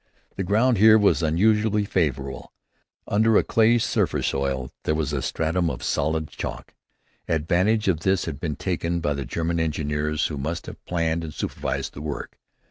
The ground here was unusually favorable. Under a clayish surface soil, there was a stratum of solid chalk. Advantage of this had been taken by the German engineers who must have planned and supervised the work.